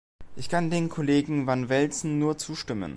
Ich kann dem Kollegen van Velzen nur zustimmen.